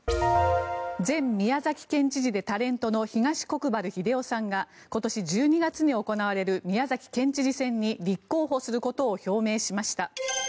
前宮崎県知事でタレントの東国原英夫さんが今年１２月に行われる宮崎県知事選に立候補することを表明しました。